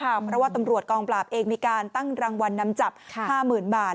เพราะว่าตำรวจกองปราบเองมีการตั้งรางวัลนำจับ๕๐๐๐บาท